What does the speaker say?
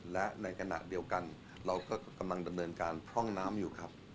และในขณะเดียวกันเราก็กำลังดำเนินการพร่องน้ำอยู่ครับ